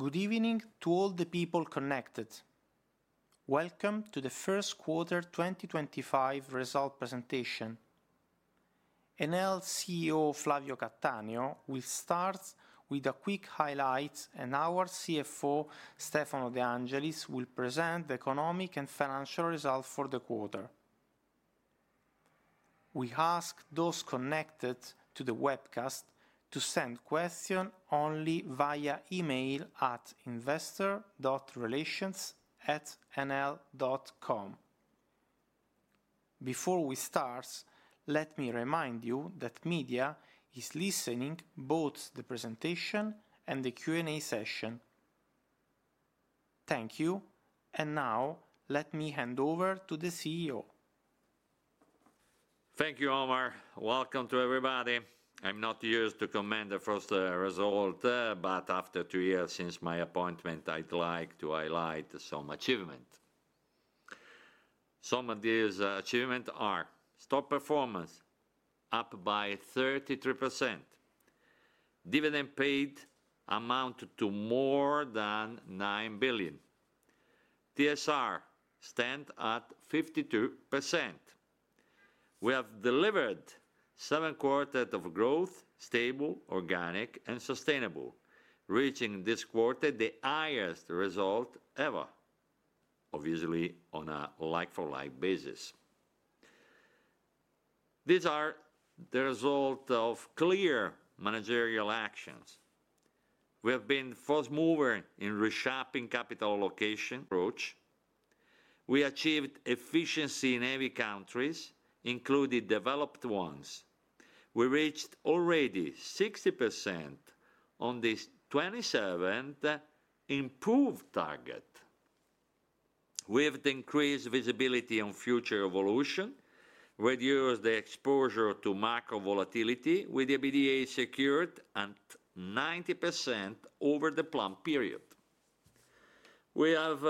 Good evening to all the people connected. Welcome to the first quarter 2025 result presentation. Enel CEO Flavio Cattaneo will start with a quick highlight, and our CFO Stefano De Angelis will present the economic and financial results for the quarter. We ask those connected to the webcast to send questions only via email at investor.relations@enel.com. Before we start, let me remind you that media is listening to both the presentation and the Q&A session. Thank you, and now let me hand over to the CEO. Thank you, Omar. Welcome to everybody. I'm not used to commenting on the first result, but after two years since my appointment, I'd like to highlight some achievements. Some of these achievements are: stock performance up by 33%, dividend paid amounted to more than 9 billion. TSR stand at 52%. We have delivered seven quarters of growth stable, organic, and sustainable, reaching this quarter the highest result ever, obviously on a like-for-like basis. These are the results of clear managerial actions. We have been first movers in reshaping capital allocation approach. We achieved efficiency in heavy countries, including developed ones. We reached already 60% on the 2.7 billion improved target. We have increased visibility on future evolution, reduced the exposure to macro volatility with EBITDA secured at 90% over the planned period. We have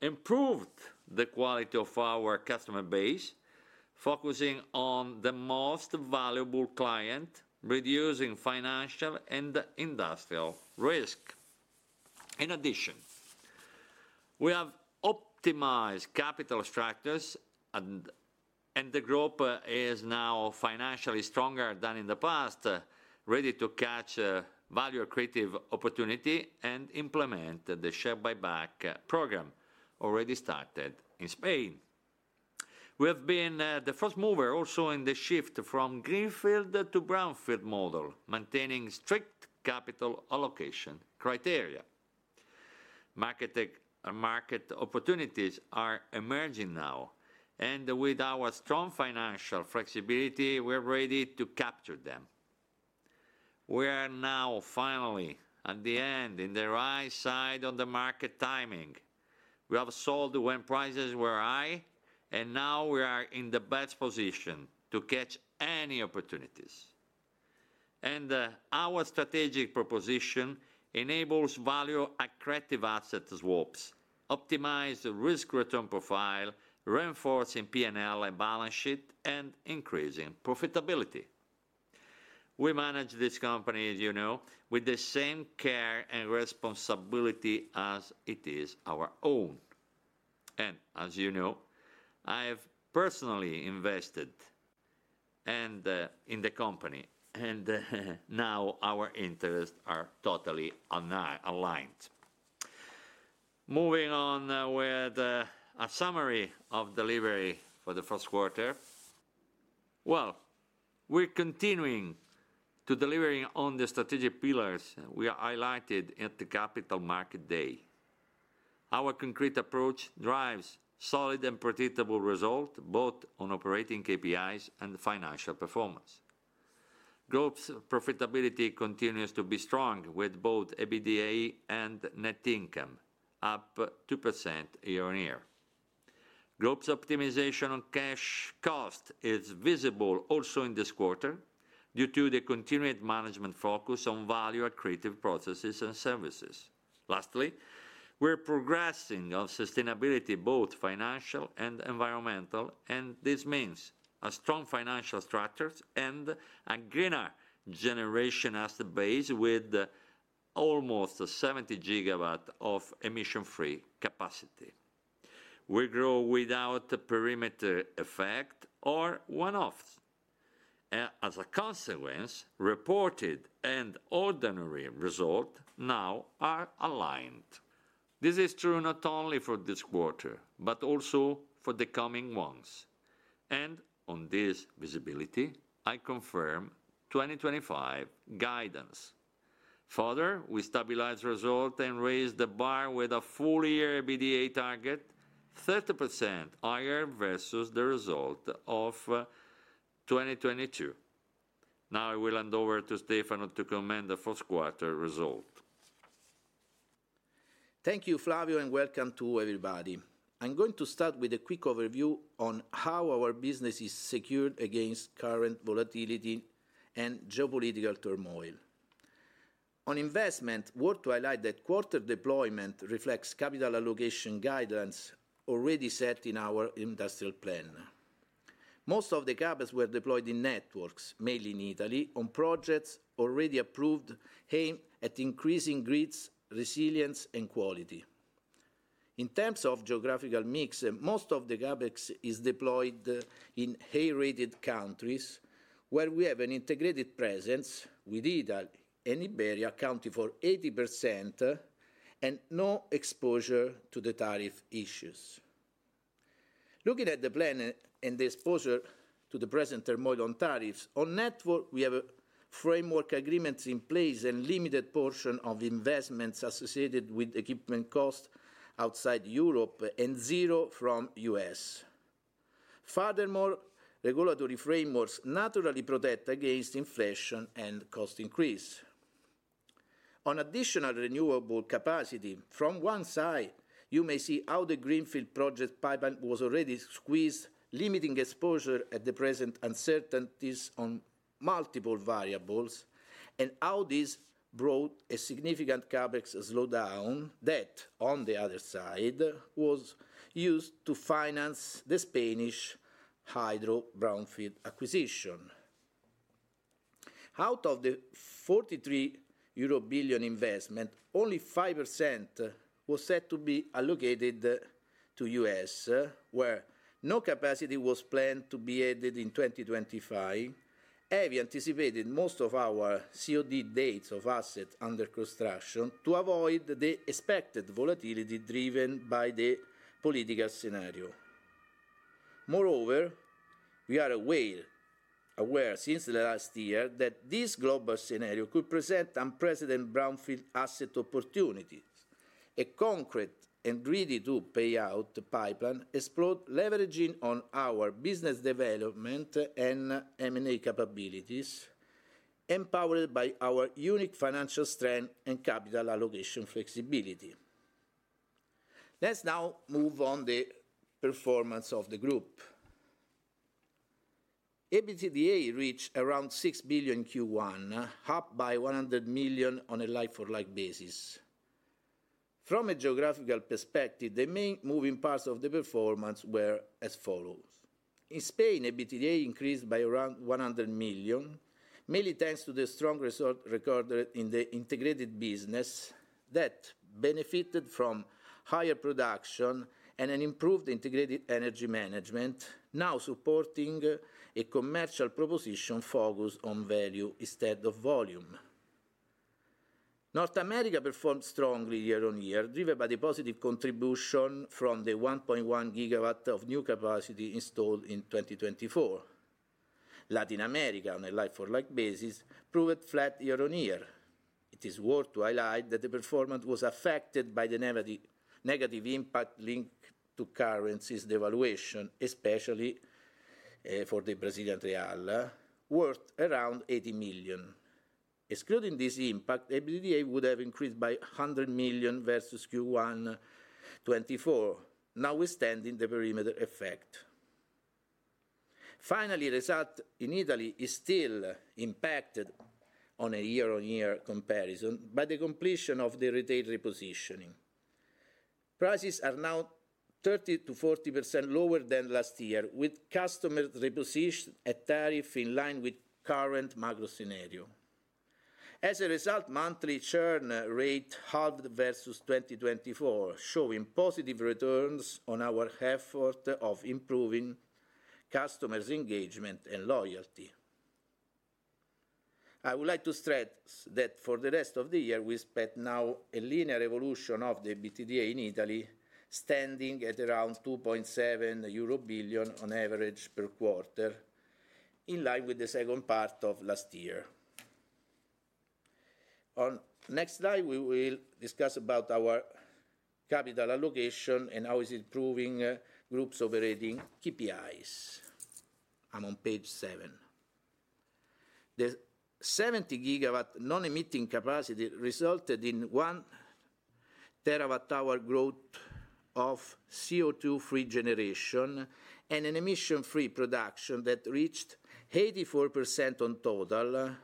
improved the quality of our customer base, focusing on the most valuable client, reducing financial and industrial risk. In addition, we have optimized capital structures, and the group is now financially stronger than in the past, ready to catch value-accretive opportunity and implement the share buyback program already started in Spain. We have been the first mover also in the shift from greenfield to brownfield model, maintaining strict capital allocation criteria. Market opportunities are emerging now, and with our strong financial flexibility, we're ready to capture them. We are now finally at the end in the right side on the market timing. We have sold when prices were high, and now we are in the best position to catch any opportunities, and our strategic proposition enables value-accretive asset swaps, optimizing the risk-return profile, reinforcing P&L and balance sheet, and increasing profitability. We manage this company, as you know, with the same care and responsibility as it is our own. As you know, I have personally invested in the company, and now our interests are totally aligned. Moving on with a summary of delivery for the first quarter. We're continuing to deliver on the strategic pillars we highlighted at the Capital Market Day. Our concrete approach drives solid and predictable results both on operating KPIs and financial performance. Group's profitability continues to be strong with both EBITDA and net income up 2% year on year. Group's optimization on cash cost is visible also in this quarter due to the continued management focus on value-accretive processes and services. Lastly, we're progressing on sustainability, both financial and environmental, and this means strong financial structures and a greener generation asset base with almost 70 GWs of emission-free capacity. We grow without perimeter effect or one-offs. As a consequence, reported and ordinary results now are aligned. This is true not only for this quarter but also for the coming ones. And on this visibility, I confirm 2025 guidance. Further, we stabilize results and raise the bar with a full-year EBITDA target, 30% higher versus the result of 2022. Now I will hand over to Stefano to comment on the first quarter result. Thank you, Flavio, and welcome to everybody. I'm going to start with a quick overview on how our business is secured against current volatility and geopolitical turmoil. On investment, worth to highlight that quarter deployment reflects capital allocation guidelines already set in our industrial plan. Most of the CapEx were deployed in networks, mainly in Italy, on projects already approved aimed at increasing grid resilience and quality. In terms of geographical mix, most of the CapEx is deployed in high-rated countries where we have an integrated presence with Italy and Iberia accounting for 80% and no exposure to the tariff issues. Looking at the plan and the exposure to the present turmoil on tariffs, on network, we have framework agreements in place and limited portion of investments associated with equipment costs outside Europe and zero from the US. Furthermore, regulatory frameworks naturally protect against inflation and cost increase. On additional renewable capacity, from one side, you may see how the greenfield project pipeline was already squeezed, limiting exposure at the present uncertainties on multiple variables and how this brought a significant CapEx slowdown that, on the other side, was used to finance the Spanish hydro-brownfield acquisition. Out of the 43 billion euro investment, only 5% was set to be allocated to the U.S., where no capacity was planned to be added in 2025. We anticipated most of our COD dates of assets under construction to avoid the expected volatility driven by the political scenario. Moreover, we are aware since the last year that this global scenario could present unprecedented brownfield asset opportunities. A concrete and ready-to-payout pipeline explodes, leveraging our business development and M&A capabilities, empowered by our unique financial strength and capital allocation flexibility. Let's now move on to the performance of the group. EBITDA reached around 6 billion in Q1, up by 100 million on a like-for-like basis. From a geographical perspective, the main moving parts of the performance were as follows. In Spain, EBITDA increased by around 100 million, mainly thanks to the strong result recorded in the integrated business that benefited from higher production and an improved integrated energy management, now supporting a commercial proposition focused on value instead of volume. North America performed strongly year on year, driven by the positive contribution from the 1.1 GWs of new capacity installed in 2024. Latin America, on a like-for-like basis, proved flat year on year. It is worth to highlight that the performance was affected by the negative impact linked to currencies devaluation, especially for the Brazilian real, worth around 80 million. Excluding this impact, EBITDA would have increased by 100 million versus Q1 2024, notwithstanding the perimeter effect. Finally, result in Italy is still impacted on a year-on-year comparison by the completion of the retail repositioning. Prices are now 30%-40% lower than last year, with customers repositioning at tariffs in line with current macro scenario. As a result, monthly churn rate halved versus 2024, showing positive returns on our effort of improving customers' engagement and loyalty. I would like to stress that for the rest of the year, we expect now a linear evolution of the EBITDA in Italy, standing at around 2.7 billion euro on average per quarter, in line with the second part of last year. On the next slide, we will discuss our capital allocation and how it is improving Group's operating KPIs. I'm on page seven. The 70 GW non-emitting capacity resulted in one terawatt-hour growth of CO2-free generation and an emission-free production that reached 84% of total,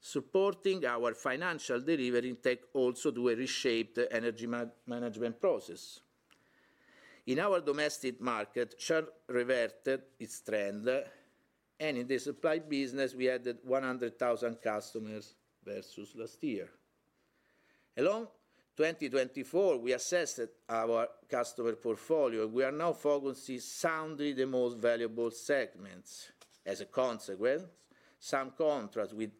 supporting our financial delivery intake also through a reshaped energy management process. In our domestic market, churn reverted its trend, and in the supply business, we added 100,000 customers versus last year. In 2024, we assessed our customer portfolio. We are now focusing soundly on the most valuable segments. As a consequence, some contracts with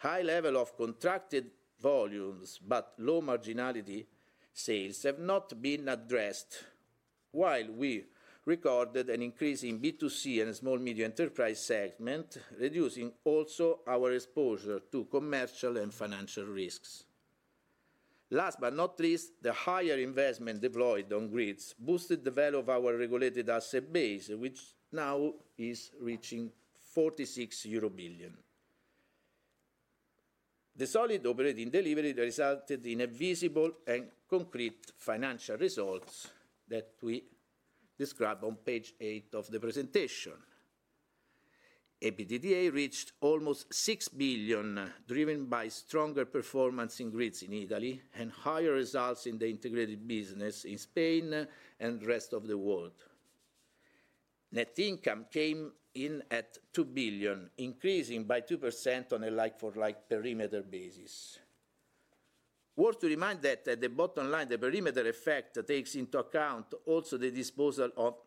high levels of contracted volumes but low marginality sales have not been addressed, while we recorded an increase in B2C and small-medium enterprise segment, reducing also our exposure to commercial and financial risks. Last but not least, the higher investment deployed on grids boosted the value of our regulated asset base, which now is reaching 46 billion euro. The solid operating delivery resulted in visible and concrete financial results that we describe on page eight of the presentation. EBITDA reached almost 6 billion, driven by stronger performance in grids in Italy and higher results in the integrated business in Spain and the rest of the world. Net income came in at 2 billion, increasing by 2% on a like-for-like perimeter basis. Worth to remind that at the bottom line, the perimeter effect takes into account also the disposal of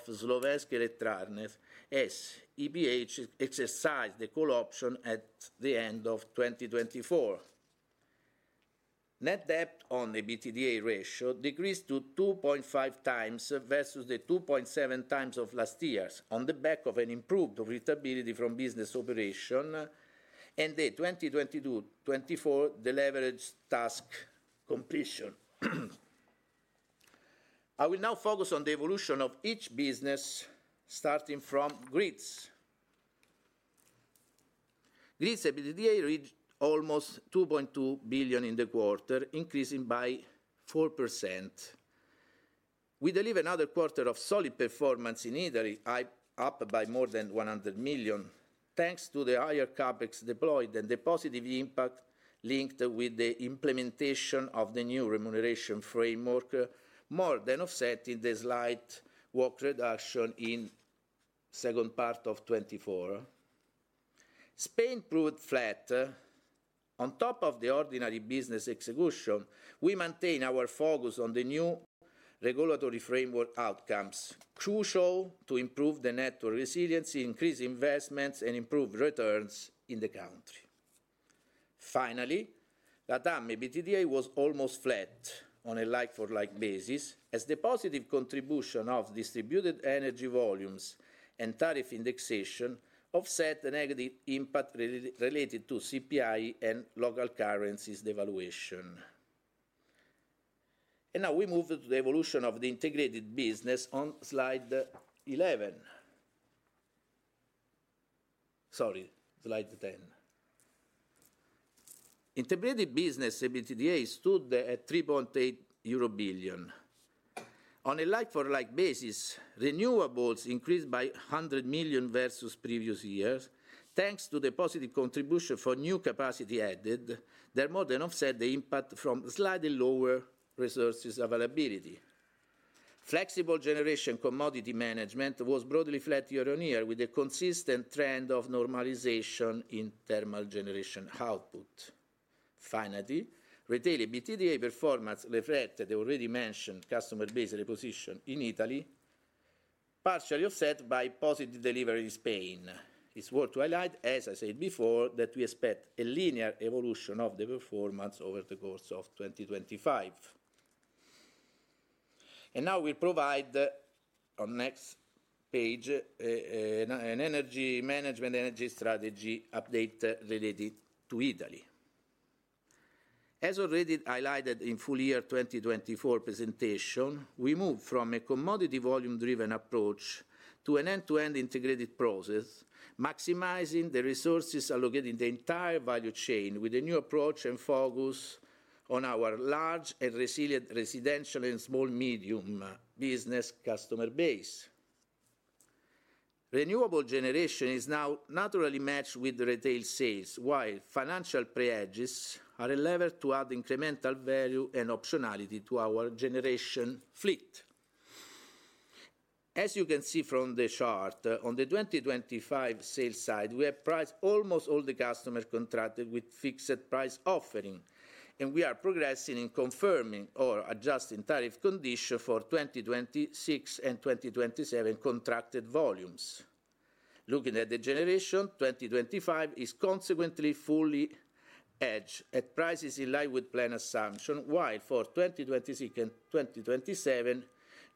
Slovenské elektrárne as EPH exercised the call option at the end of 2024. Net debt on EBITDA ratio decreased to 2.5 times versus the 2.7 times of last years, on the back of an improved profitability from business operation and the 2022-2024 delivered task completion. I will now focus on the evolution of each business, starting from grids. Grids' EBITDA reached almost 2.2 billion in the quarter, increasing by 4%. We delivered another quarter of solid performance in Italy, up by more than 100 million, thanks to the higher CapEx deployed and the positive impact linked with the implementation of the new remuneration framework, more than offsetting the slight work reduction in the second part of 2024. Spain proved flat. On top of the ordinary business execution, we maintain our focus on the new regulatory framework outcomes, crucial to improve the network resiliency, increase investments, and improve returns in the country. Finally, LATAM EBITDA was almost flat on a like-for-like basis, as the positive contribution of distributed energy volumes and tariff indexation offset the negative impact related to CPI and local currencies devaluation. And now we move to the evolution of the integrated business on slide 11. Sorry, slide 10. Integrated business EBITDA stood at 3.8 billion euro. On a like-for-like basis, renewables increased by 100 million versus previous years, thanks to the positive contribution for new capacity added. They more than offset the impact from slightly lower resources availability. Flexible generation commodity management was broadly flat year on year, with a consistent trend of normalization in thermal generation output. Finally, retail EBITDA performance reflected the already mentioned customer base reposition in Italy, partially offset by positive delivery in Spain. It's worth to highlight, as I said before, that we expect a linear evolution of the performance over the course of 2025. Now we provide on the next page an energy management energy strategy update related to Italy. As already highlighted in full-year 2024 presentation, we moved from a commodity volume-driven approach to an end-to-end integrated process, maximizing the resources allocated in the entire value chain with a new approach and focus on our large and resilient residential and small-medium business customer base. Renewable generation is now naturally matched with retail sales, while financial hedges are a lever to add incremental value and optionality to our generation fleet. As you can see from the chart, on the 2025 sales side, we have priced almost all the customers contracted with fixed price offering, and we are progressing in confirming or adjusting tariff conditions for 2026 and 2027 contracted volumes. Looking at the generation, 2025 is consequently fully hedged at prices in line with planned assumptions, while for 2026 and 2027,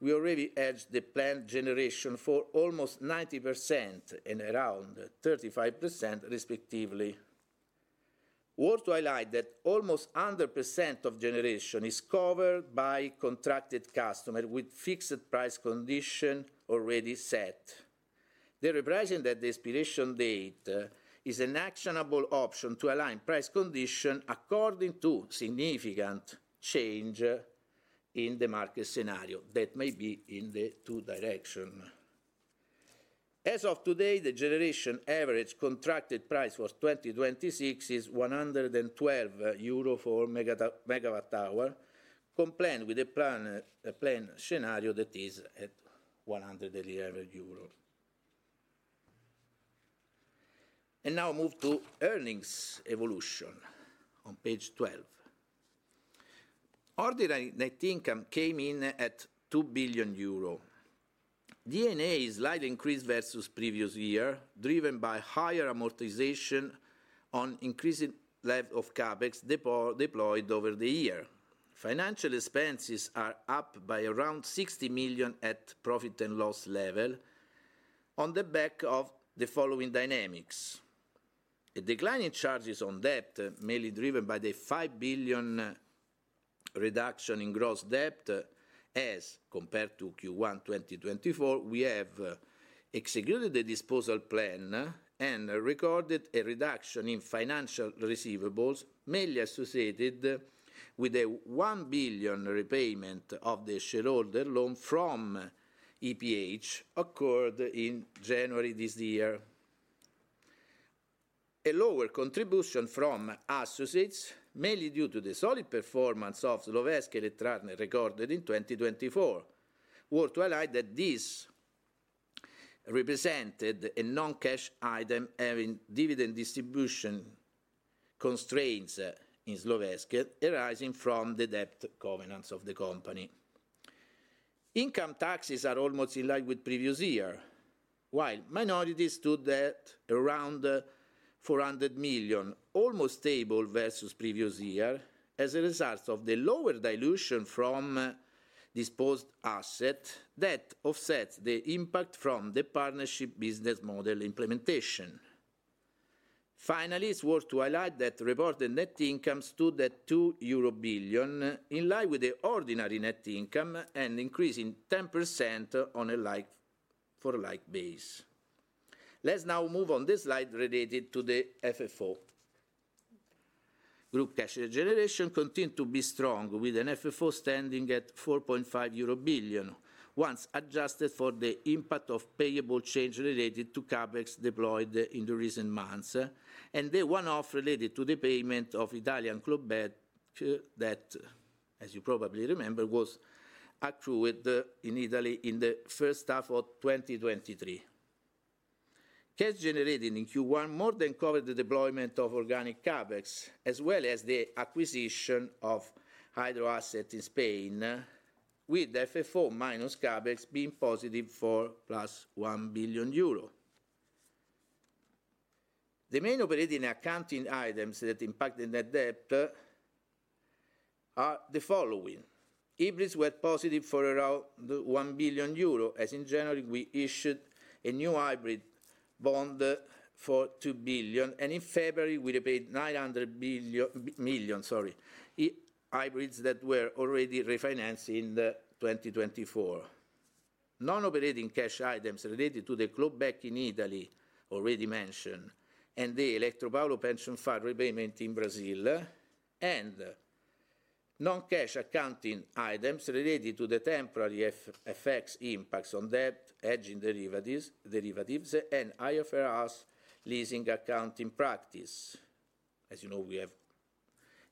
we already hedged the planned generation for almost 90% and around 35%, respectively. Worth highlighting that almost 100% of generation is covered by contracted customers with fixed price conditions already set. The repricing at the expiration date is an actionable option to align price conditions according to significant change in the market scenario that may be in the two directions. As of today, the generation average contracted price for 2026 is EUR 112 per MW-hour, compliant with the planned scenario that is at 100 euro. And now move to earnings evolution on page 12. Ordinary net income came in at 2 billion euro. EBITDA is slightly increased versus previous year, driven by higher amortization on increasing level of CapEx deployed over the year. Financial expenses are up by around 60 million at profit and loss level on the back of the following dynamics. A decline in charges on debt, mainly driven by the 5 billion reduction in gross debt, as compared to Q1 2024. We have executed the disposal plan and recorded a reduction in financial receivables, mainly associated with a 1 billion repayment of the shareholder loan from EPH occurred in January this year. A lower contribution from associates, mainly due to the solid performance of Slovenské elektrárne recorded in 2024. Worth to highlight that this represented a non-cash item having dividend distribution constraints in Slovenské, arising from the debt covenants of the company. Income taxes are almost in line with previous year, while minorities stood at around 400 million, almost stable versus previous year, as a result of the lower dilution from disposed asset that offsets the impact from the partnership business model implementation. Finally, it's worth highlighting that reported net income stood at 2 billion euro, in line with the ordinary net income and increasing 10% on a like-for-like basis. Let's now move on to the slide related to the FFO. Group cash generation continued to be strong, with an FFO standing at 4.5 billion euro, once adjusted for the impact of payables change related to CapEx deployed in the recent months, and the one-off related to the payment of Italian club debt that, as you probably remember, was accrued in Italy in the first half of 2023. Cash generated in Q1 more than covered the deployment of organic CapEx, as well as the acquisition of hydro assets in Spain, with FFO minus CapEx being positive for plus 1 billion euro. The main operating accounting items that impacted net debt are the following. Hybrids were positive for around 1 billion euro, as in January we issued a new hybrid bond for 2 billion, and in February we repaid 900 million, sorry, hybrids that were already refinanced in 2024. Non-operating cash items related to the club debt in Italy, already mentioned, and the Eletropaulo pension fund repayment in Brazil, and non-cash accounting items related to the temporary FX impacts on debt, hedging derivatives, and IFRS leasing accounting practice. As you know, we have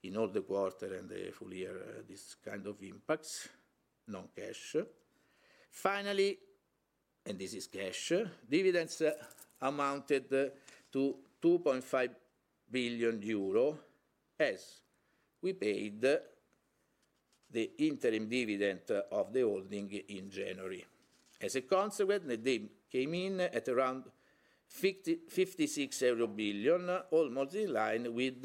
in all the quarter and the full year this kind of impacts, non-cash. Finally, and this is cash, dividends amounted to 2.5 billion euro as we paid the interim dividend of the holding in January. As a consequence, the net debt came in at around 56 billion euro, almost in line with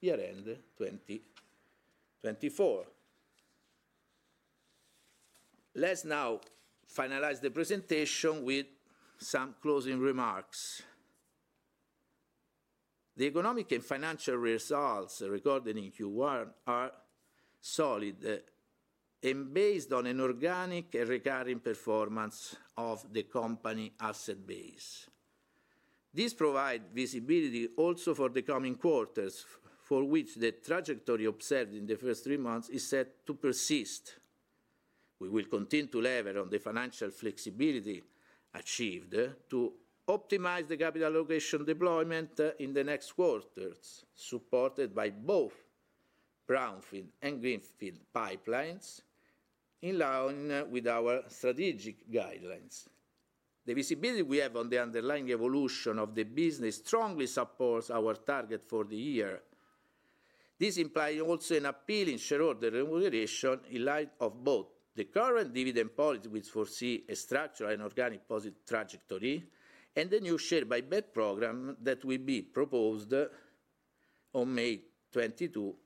year-end 2024. Let's now finalize the presentation with some closing remarks. The economic and financial results recorded in Q1 are solid and based on an organic and recurring performance of the company asset base. This provides visibility also for the coming quarters, for which the trajectory observed in the first three months is set to persist. We will continue to leverage the financial flexibility achieved to optimize the capital allocation deployment in the next quarters, supported by both brownfield and greenfield pipelines, in line with our strategic guidelines. The visibility we have on the underlying evolution of the business strongly supports our target for the year. This implies also an appealing shareholder remuneration in light of both the current dividend policy, which foresees a structural and organic positive trajectory, and the new share buyback program that will be proposed on May 22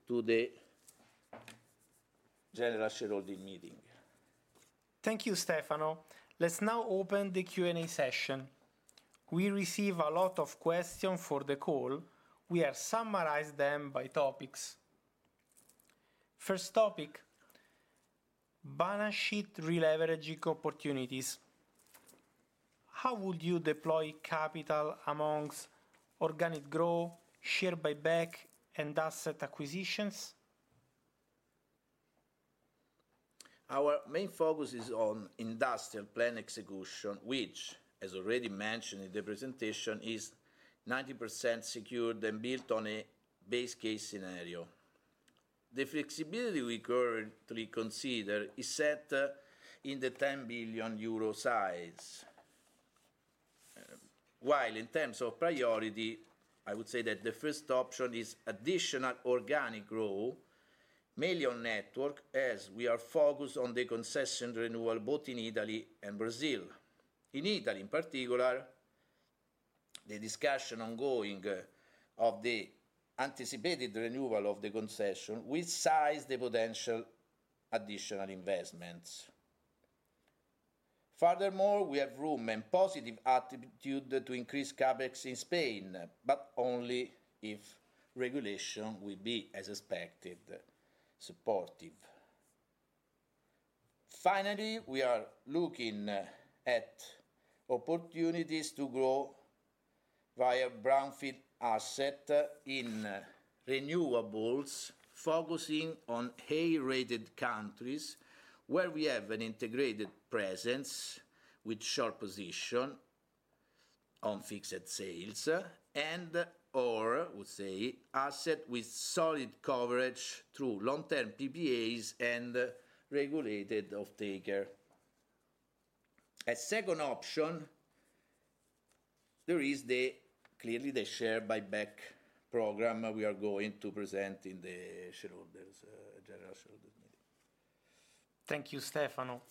to the General Shareholders' Meeting. Thank you, Stefano. Let's now open the Q&A session. We receive a lot of questions for the call. We are summarizing them by topics. First topic, balance sheet releveraging opportunities. How would you deploy capital amongst organic growth, share buyback, and asset acquisitions? Our main focus is on industrial plan execution, which, as already mentioned in the presentation, is 90% secured and built on a base case scenario. The flexibility we currently consider is set in the 10 billion euro size. While in terms of priority, I would say that the first option is additional organic growth, mainly on network, as we are focused on the concession renewal both in Italy and Brazil. In Italy, in particular, the discussion ongoing of the anticipated renewal of the concession will size the potential additional investments. Furthermore, we have room and positive attitude to increase CapEx in Spain, but only if regulation will be, as expected, supportive. Finally, we are looking at opportunities to grow via brownfield asset in renewables, focusing on high-rated countries where we have an integrated presence with strong position on fixed sales and/or, I would say, asset with solid coverage through long-term PPAs and regulated off-taker. As a second option, there is clearly the share buyback program we are going to present in the General Shareholders' Meeting. Thank you, Stefano.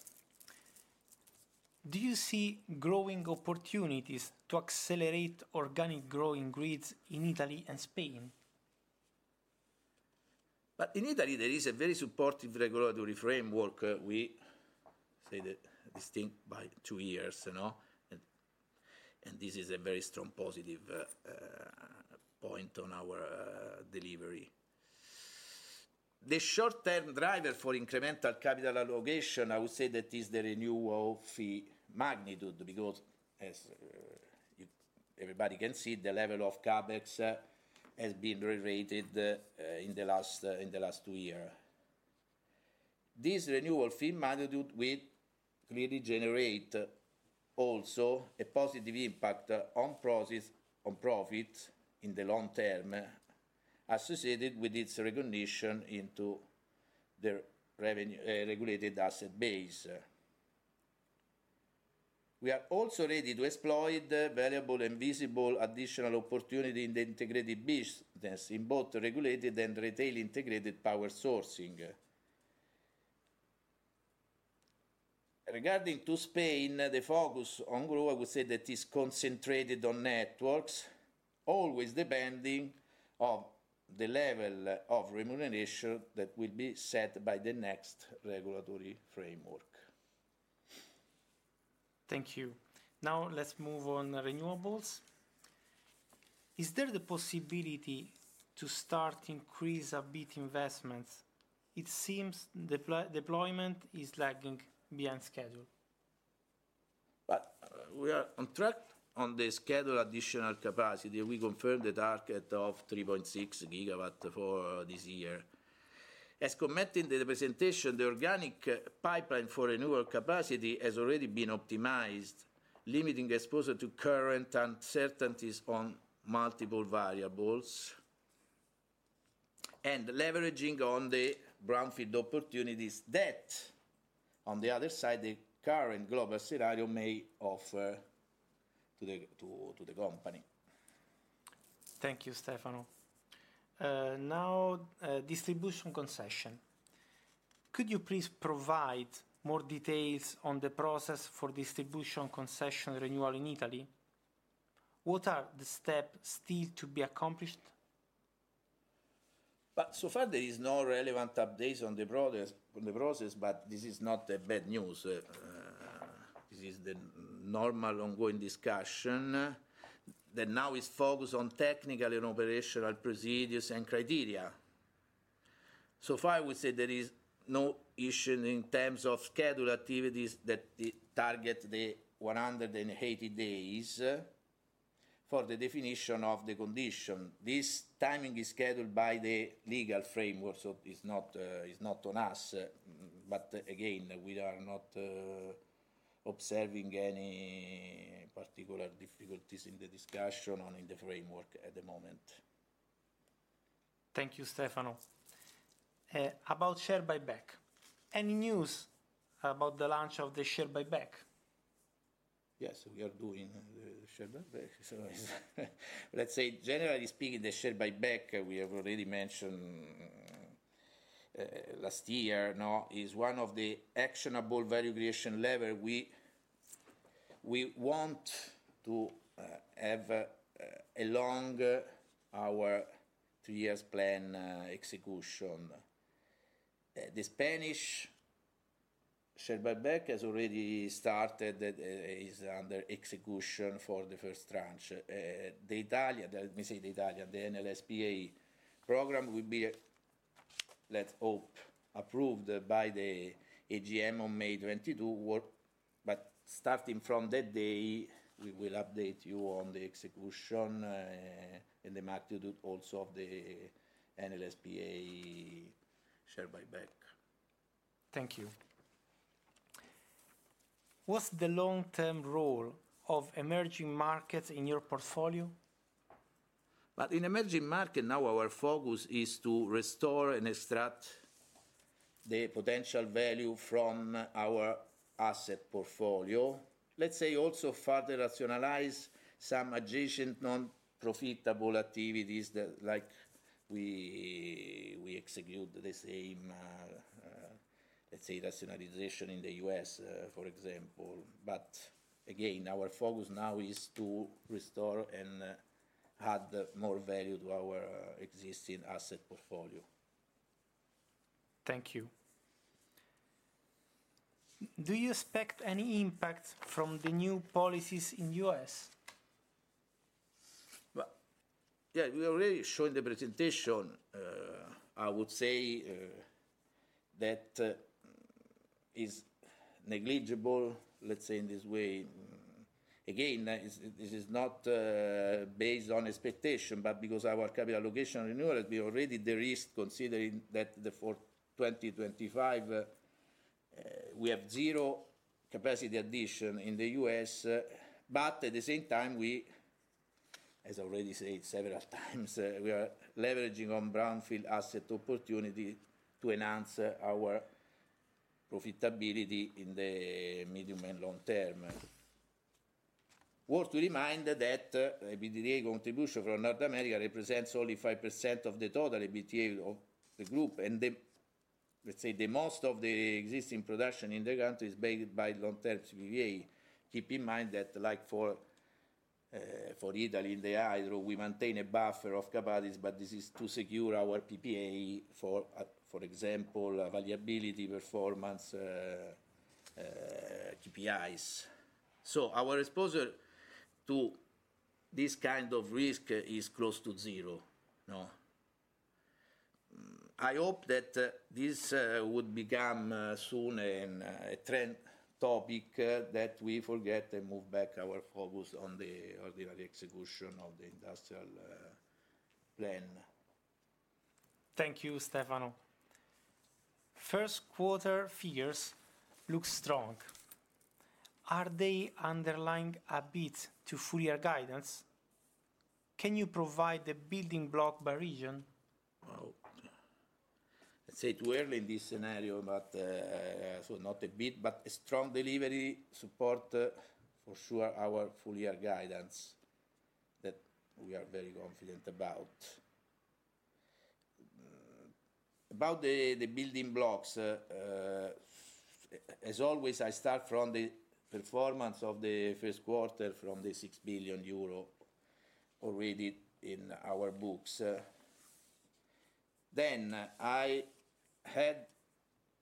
Do you see growing opportunities to accelerate organic growth in grids in Italy and Spain? But in Italy, there is a very supportive regulatory framework we say that dates back two years, and this is a very strong positive point on our delivery. The short-term driver for incremental capital allocation, I would say that is the renewal fee magnitude, because as everybody can see, the level of CapEx has been re-rated in the last two years. This renewal fee magnitude will clearly generate also a positive impact on profit in the long term, associated with its recognition into the Regulated Asset Base. We are also ready to exploit valuable and visible additional opportunity in the integrated business in both regulated and retail integrated power sourcing. Regarding Spain, the focus on growth, I would say that is concentrated on networks, always depending on the level of remuneration that will be set by the next regulatory framework. Thank you. Now let's move on to renewables. Is there the possibility to start increasing a bit investments? It seems deployment is lagging behind schedule. But we are on track on the scheduled additional capacity. We confirmed the target of 3.6 GWs for this year. As commented in the presentation, the organic pipeline for renewable capacity has already been optimized, limiting exposure to current uncertainties on multiple variables and leveraging on the brownfield opportunities that, on the other side, the current global scenario may offer to the company. Thank you, Stefano. Now, distribution concession. Could you please provide more details on the process for distribution concession renewal in Italy? What are the steps still to be accomplished? But so far, there are no relevant updates on the process, but this is not bad news. This is the normal ongoing discussion that now is focused on technical and operational procedures and criteria. So far, I would say there are no issues in terms of scheduled activities that target the 180 days for the definition of the condition. This timing is scheduled by the legal framework, so it's not on us. But again, we are not observing any particular difficulties in the discussion or in the framework at the moment. Thank you, Stefano. About share buyback, any news about the launch of the share buyback? Yes, we are doing the share buyback. Let's say, generally speaking, the share buyback we have already mentioned last year is one of the actionable value creation levers we want to have along our two-year plan execution. The Spanish share buyback has already started. It is under execution for the first tranche. The Italian, let me say the Italian, the Enel S.p.A. program will be, let's hope, approved by the AGM on May 22, but starting from that day, we will update you on the execution and the magnitude also of the Enel S.p.A. share buyback. Thank you. What's the long-term role of emerging markets in your portfolio? But in emerging markets, now our focus is to restore and extract the potential value from our asset portfolio. Let's say also further rationalize some adjacent non-profitable activities like we execute the same, let's say, rationalization in the U.S., for example. But again, our focus now is to restore and add more value to our existing asset portfolio. Thank you. Do you expect any impact from the new policies in the U.S.? Yeah, we already showed in the presentation, I would say, that it is negligible, let's say, in this way. Again, this is not based on expectation, but because our capital allocation renewal has been already derisked, considering that for 2025 we have zero capacity addition in the U.S. But at the same time, we, as I already said several times, we are leveraging on brownfield asset opportunity to enhance our profitability in the medium and long term. worth to remind that EBITDA contribution from North America represents only 5% of the total EBITDA of the group, and let's say the most of the existing production in the country is based by long-term CPPA. Keep in mind that like for Italy in the hydro, we maintain a buffer of capacities, but this is to secure our PPA for, for example, variability performance KPIs. So our exposure to this kind of risk is close to zero. I hope that this would become soon a trend topic that we forget and move back our focus on the ordinary execution of the industrial plan. Thank you, Stefano. First quarter figures look strong. Are they underlying a bit to full year guidance? Can you provide the building block by region? Let's say too early in this scenario, but so not a bit, but strong delivery support for sure our full year guidance that we are very confident about. About the building blocks, as always, I start from the performance of the first quarter from the 6 billion euro already in our books. Then I had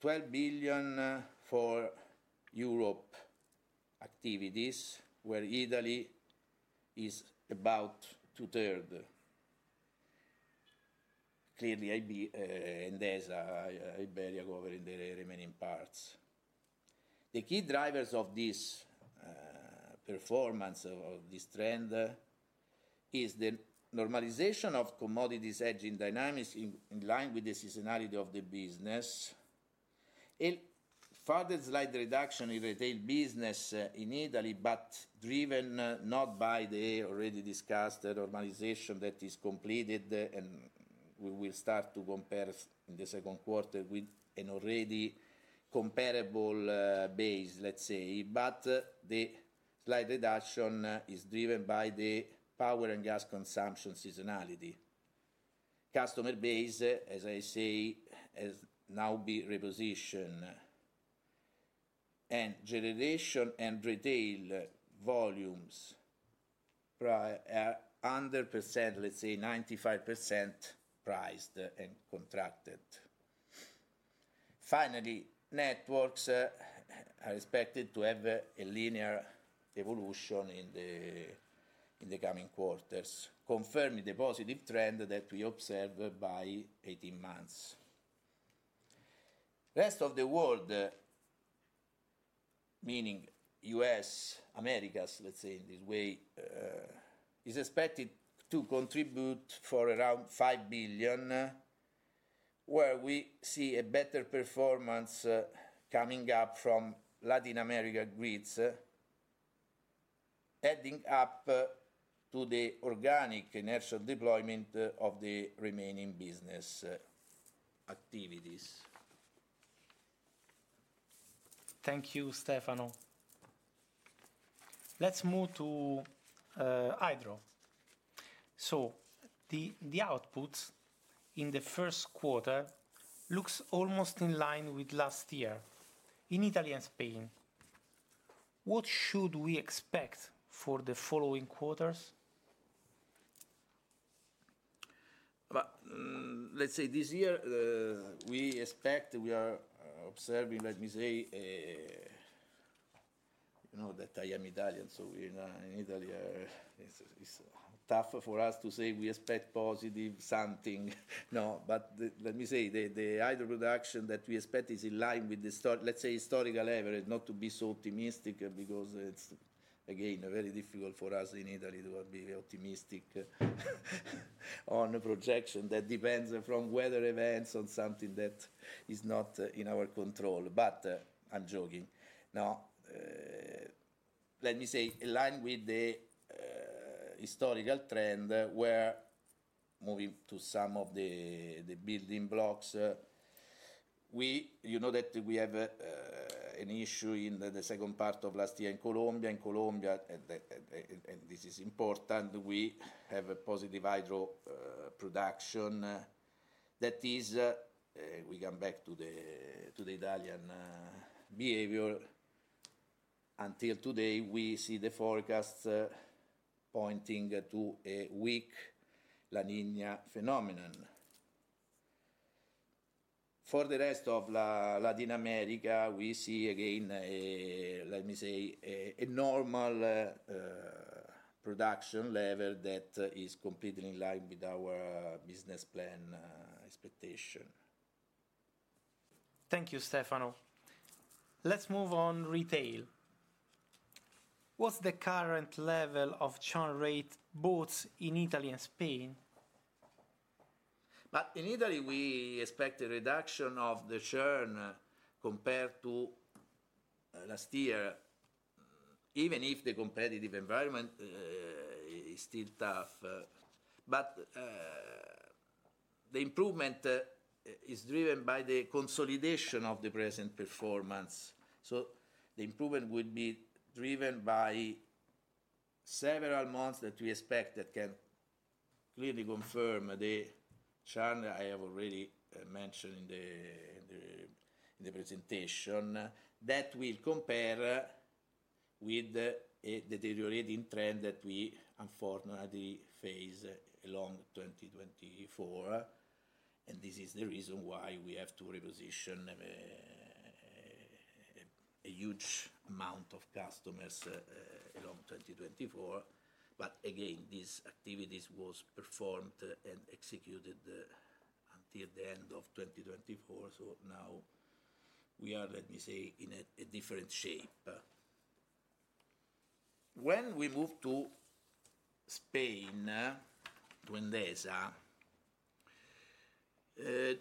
12 billion for Europe activities, where Italy is about two-thirds. Clearly, Endesa, Iberia and the remaining parts. The key drivers of this performance or this trend is the normalization of commodities hedging dynamics in line with the seasonality of the business. Further slight reduction in retail business in Italy, but driven not by the already discussed normalization that is completed, and we will start to compare in the second quarter with an already comparable base, let's say the slight reduction is driven by the power and gas consumption seasonality. Customer base, as I say, has now been repositioned. Generation and retail volumes are, let's say, 95% priced and contracted. Finally, networks are expected to have a linear evolution in the coming quarters, confirming the positive trend that we observe by 18 months. Rest of the world, meaning U.S., Americas, let's say in this way, is expected to contribute for around 5 billion, where we see a better performance coming up from Latin America grids, adding up to the organic natural deployment of the remaining business activities. Thank you, Stefano. Let's move to hydro. The outputs in the first quarter look almost in line with last year in Italy and Spain. What should we expect for the following quarters? Let's say this year we expect we are observing, let me say, you know that I am Italian, so in Italy it's tough for us to say we expect positive something. But let me say the hydro production that we expect is in line with the, let's say, historical level, not to be so optimistic because it's, again, very difficult for us in Italy to be optimistic on the projection that depends from weather events on something that is not in our control. But I'm joking. Now, let me say in line with the historical trend, we're moving to some of the building blocks. You know that we have an issue in the second part of last year in Colombia. In Colombia, and this is important, we have a positive hydro production that is, we come back to the Italian behavior. Until today, we see the forecasts pointing to a weak La Niña phenomenon. For the rest of Latin America, we see again, let me say, a normal production level that is completely in line with our business plan expectation. Thank you, Stefano. Let's move on retail. What's the current level of churn rate both in Italy and Spain? But in Italy, we expect a reduction of the churn compared to last year, even if the competitive environment is still tough. But the improvement is driven by the consolidation of the present performance. So the improvement would be driven by several months that we expect that can clearly confirm the churn I have already mentioned in the presentation that will compare with the deteriorating trend that we unfortunately face along 2024. And this is the reason why we have to reposition a huge amount of customers along 2024. But again, these activities were performed and executed until the end of 2024. So now we are, let me say, in a different shape. When we move to Spain, Endesa, the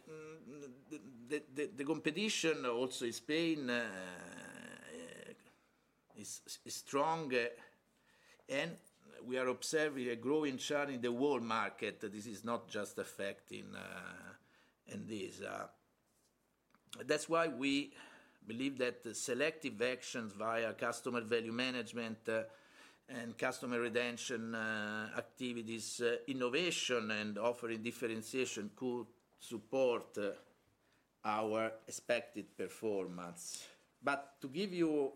competition also in Spain is strong. And we are observing a growing churn in the world market. This is not just affecting in this. That's why we believe that selective actions via customer value management and customer retention activities, innovation and offering differentiation could support our expected performance. But to give you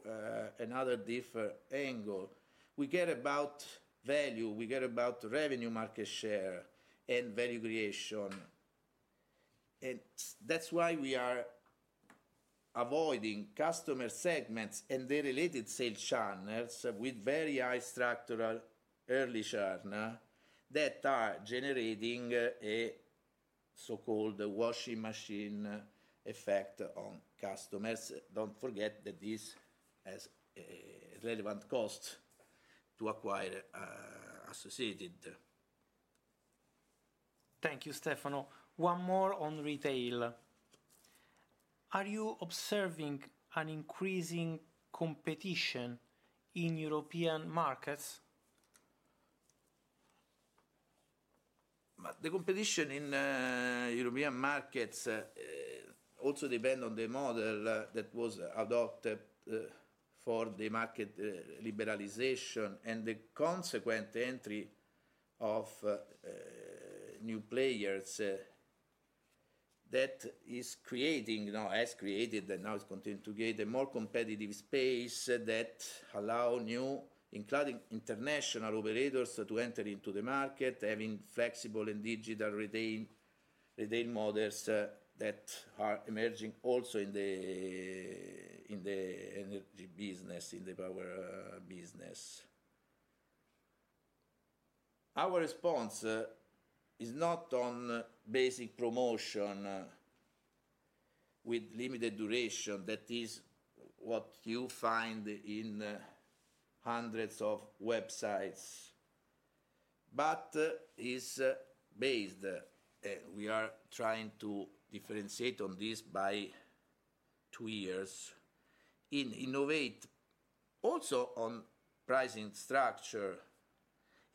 another different angle, we care about value, we care about revenue market share and value creation. And that's why we are avoiding customer segments and their related sales channels with very high structural early churn that are generating a so-called washing machine effect on customers. Don't forget that this has relevant costs to acquire associated. Thank you, Stefano. One more on retail. Are you observing an increasing competition in European markets? The competition in European markets also depends on the model that was adopted for the market liberalization and the consequent entry of new players that is creating, has created, and now is continuing to create a more competitive space that allows new, including international operators to enter into the market, having flexible and digital retail models that are emerging also in the energy business, in the power business. Our response is not on basic promotion with limited duration. That is what you find in hundreds of websites. But it's based, and we are trying to differentiate on this by two years in innovate also on pricing structure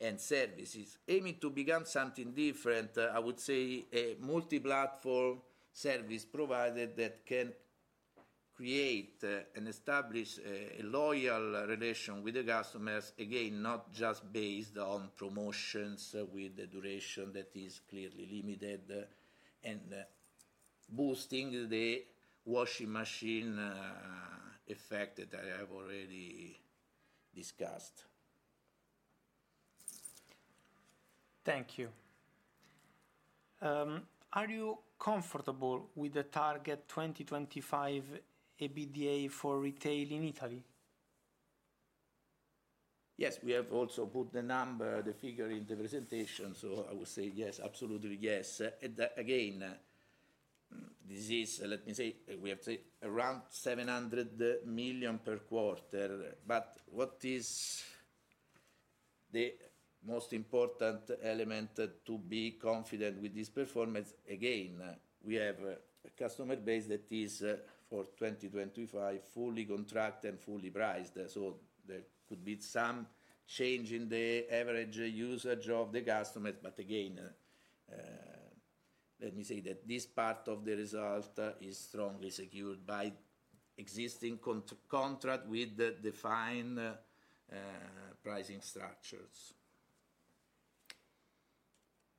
and services, aiming to become something different, I would say, a multi-platform service provided that can create and establish a loyal relation with the customers, again, not just based on promotions with the duration that is clearly limited and boosting the washing machine effect that I have already discussed. Thank you. Are you comfortable with the target 2025 EBITDA for retail in Italy? Yes, we have also put the number, the figure in the presentation. So I would say yes, absolutely yes. Again, this is, let me say, we have around 700 million per quarter. But what is the most important element to be confident with this performance? Again, we have a customer base that is for 2025 fully contracted and fully priced. So there could be some change in the average usage of the customers. But again, let me say that this part of the result is strongly secured by existing contract with defined pricing structures.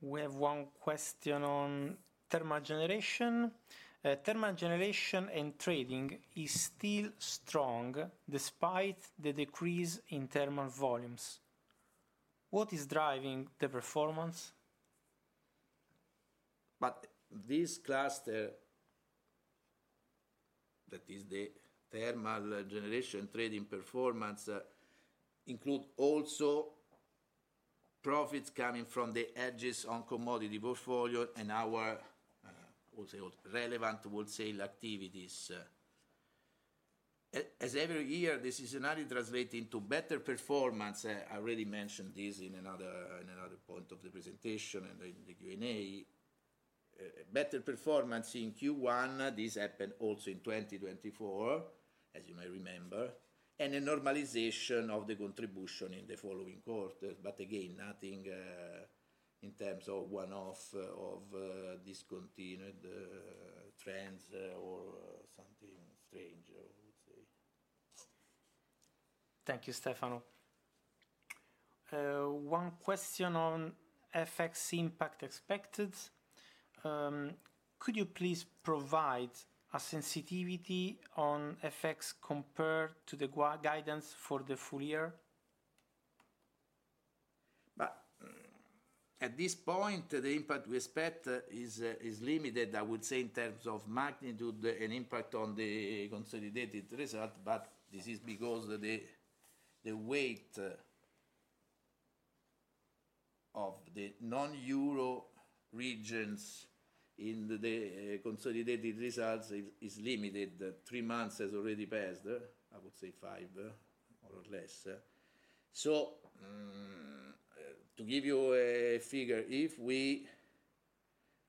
We have one question on thermal generation. Thermal generation and trading is still strong despite the decrease in thermal volumes. What is driving the performance? But this cluster, that is the thermal generation trading performance, includes also profits coming from the hedges on commodity portfolio and our relevant wholesale activities. As every year, this is annually translated into better performance. I already mentioned this in another point of the presentation and in the Q&A. Better performance in Q1, this happened also in 2024, as you may remember, and a normalization of the contribution in the following quarter. But again, nothing in terms of one-offs or discontinued trends or something strange, I would say. Thank you, Stefano. One question on FX impact expected. Could you please provide a sensitivity on FX compared to the guidance for the full year? At this point, the impact we expect is limited, I would say, in terms of magnitude and impact on the consolidated result. But this is because the weight of the non-Euro regions in the consolidated results is limited. Three months has already passed, I would say five or less. So to give you a figure, if we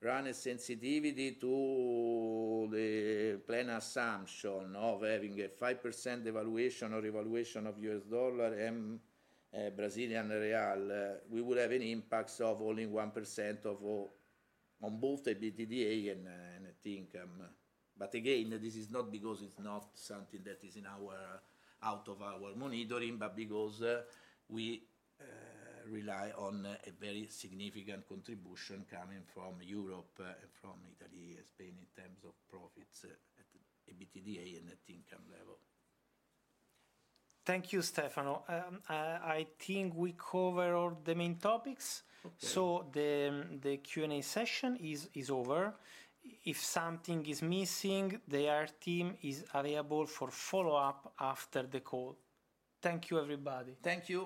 run a sensitivity to the plan assumption of having a 5% appreciation or devaluation of U.S. dollar and Brazilian real, we would have an impact of only 1% on both EBITDA and net income. But again, this is not because it's not something that is out of our monitoring, but because we rely on a very significant contribution coming from Europe and from Italy and Spain in terms of profits at EBITDA and net income level. Thank you, Stefano. I think we covered all the main topics. So the Q&A session is over. If something is missing, the team is available for follow-up after the call. Thank you, everybody. Thank you.